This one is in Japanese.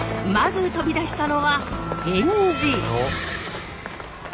まず飛び出したのは源氏！